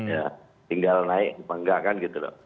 ya tinggal naik apa enggak kan gitu loh